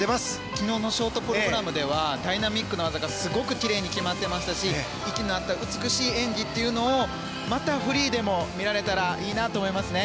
昨日のショートプログラムではダイナミックな技がすごくきれいに決まってましたし息の合った美しい演技をまたフリーでも見られたらいいなと思いますね。